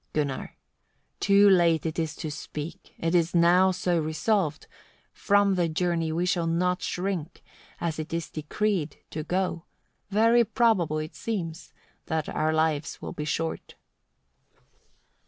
Gunnar. 27. "Too late it is to speak, it is now so resolved; from the journey we shall not shrink, as it is decreed to go: very probable it seems that our lives will be short."